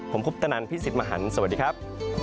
ผมคุปตนันพี่สิทธิ์มหันฯสวัสดีครับ